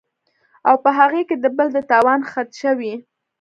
او پۀ هغې کې د بل د تاوان خدشه وي